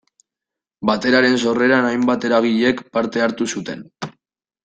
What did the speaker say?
Bateraren sorreran hainbat eragilek parte hartu zuten.